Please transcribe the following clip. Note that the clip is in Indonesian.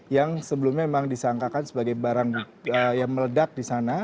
yang sebelumnya memang disangkakan sebagai barang yang meledak di sana